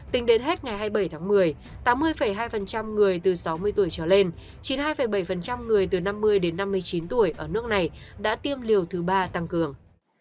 tính đến hết ngày hai mươi bảy tháng một mươi tám mươi hai người từ sáu mươi tuổi trở lên chín mươi hai bảy người từ năm mươi đến năm mươi chín tuổi ở nước này đã tiêm liều thứ ba tăng cường